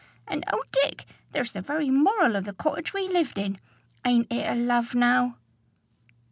And, O Dick! there's the very moral of the cottage we lived in! Ain't it a love, now?"